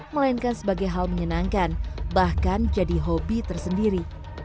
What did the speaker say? melainkan sebagai hal menyenangkan bahkan jadi hobi tersendiri